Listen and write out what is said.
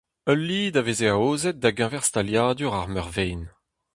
Ul lid a veze aozet da-geñver staliadur ar meurvein.